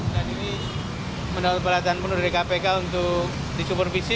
dan ini mendapat perhatian penuh dari kpk untuk disupervisi